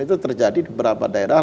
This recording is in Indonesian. itu terjadi di beberapa daerah